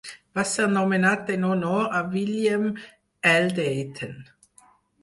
Va ser nomenat en honor a William L. Dayton.